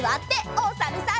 おさるさん。